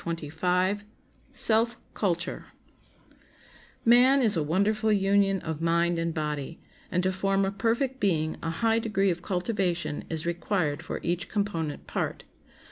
] Man is a wonderful union of mind and body, and to form a perfect being a high degree of cultivation is required for each component part.